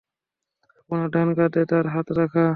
আপনার ডান কাঁধে তার হাত রাখা।